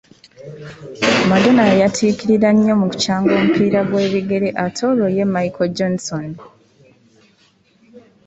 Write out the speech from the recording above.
Mardona yayatiikirira nnyo mu kukyanga omupiira gw’ebigere ate olwo ye Michel Johnson?